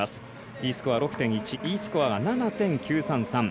Ｄスコア６．１Ｅスコアが７．９３３。